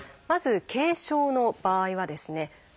まず軽症の場合はですね